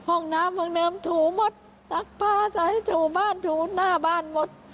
ห้องน้ำห้องเดิมถูหมดตักปลาใส่ถูบ้านถูหน้าบ้านหมด